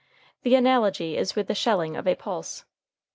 The analogy is with the shelling of pulse.